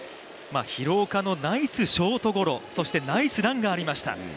廣岡のナイスショートゴロ、そしてナイスランがありました。